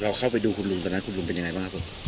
เข้าไปดูคุณลุงตอนนั้นคุณลุงเป็นยังไงบ้างครับผม